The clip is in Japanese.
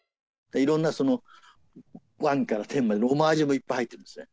いろんな『Ⅰ』から『Ⅹ』までのオマージュもいっぱい入ってるんですね。